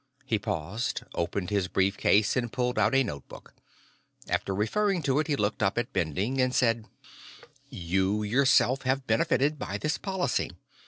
He paused, opened his brief case, and pulled out a notebook. After referring to it, he looked up at Bending and said: "You, yourself have benefitted by this policy.